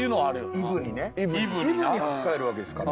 イブに履き替えるわけですから。